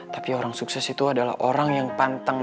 tapi orang sukses itu adalah orang yang pantang